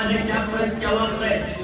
saya ingatkan kepada ijtima ulama